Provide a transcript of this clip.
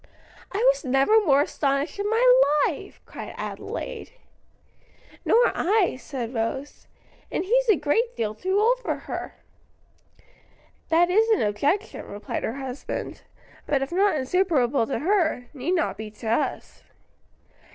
"I was never more astonished in my life!" cried Adelaide. "Nor I," said Rose. "And he's a great deal too old for her." "That is an objection," replied her husband, "but if not insuperable to her, need not be to us."